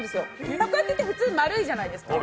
たこ焼きって普通丸いじゃないですか。